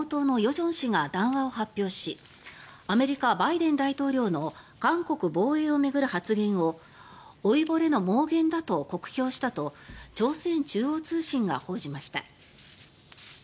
正氏が談話を発表しアメリカ、バイデン大統領の韓国防衛を巡る発言を老いぼれの妄言だと酷評したと朝鮮中央通信が報じました。